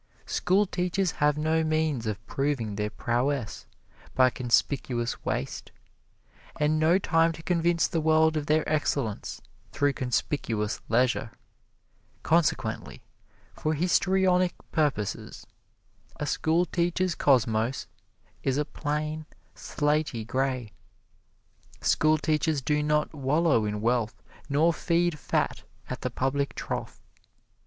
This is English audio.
Schoolteachers have no means of proving their prowess by conspicuous waste, and no time to convince the world of their excellence through conspicuous leisure; consequently, for histrionic purposes, a schoolteacher's cosmos is a plain, slaty gray. Schoolteachers do not wallow in wealth nor feed fat at the public trough.